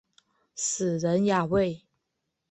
死人呀喂！